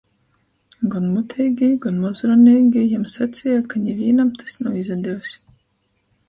Gon muteigī, gon mozruneigī jam saceja, ka nivīnam tys nav izadevs.